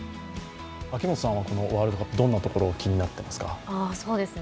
秋元さんはこのワールドカップ、どんなところが気になってますか？